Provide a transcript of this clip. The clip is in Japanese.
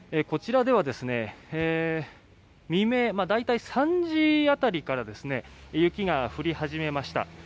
こちらでは未明大体３時辺りから雪が降り始めました。